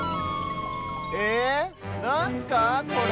え⁉なんすかこれ？